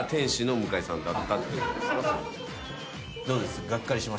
どうです？